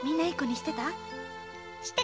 してたよ。